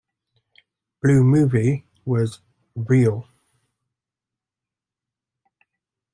"Blue Movie" was "real".